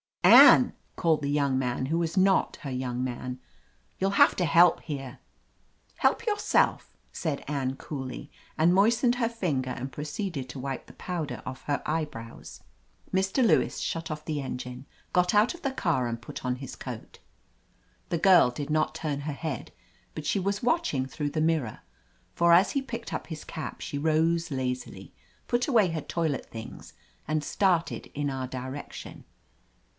"Anne !" called the yoimg man who was not her young man, "youll have to help here." "Help yourself," said Anne coolly, and, moistening her finger, she proceeded to wipe the powder off her eyebrows. Mr. Lewis shut off the engine, got out of the car and put on his coat. The girl did not turn her head, but she was watching through the mirror, for as he picked up his cap she rose lazily, put away her toilet things and started in our direction.